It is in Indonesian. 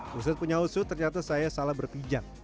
pusat penyosot ternyata saya salah berpijak